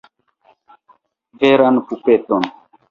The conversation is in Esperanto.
Veran pupeton.